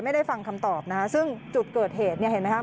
ไม่ได้ฟังคำตอบนะคะซึ่งจุดเกิดเหตุเนี่ยเห็นไหมครับ